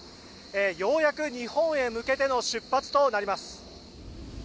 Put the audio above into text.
ようやく日本へ向けての出発となります。